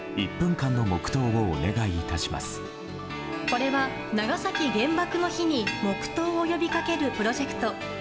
これは長崎原爆の日に黙祷を呼びかけるプロジェクト。